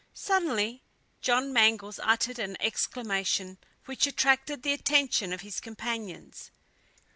Suddenly John Mangles uttered an exclamation which attracted the attention of his companions.